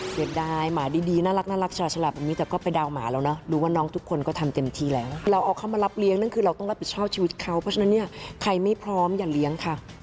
เสียดายหมาดีน่ารักฉลาบแบบนี้แต่ก็ไปเดาหมาเราเนอะรู้ว่าน้องทุกคนก็ทำเต็มที่แล้วเราเอาเขามารับเลี้ยงนั่นคือเราต้องรับผิดชอบชีวิตเขาเพราะฉะนั้นเนี่ยใครไม่พร้อมอย่าเลี้ยงค่ะ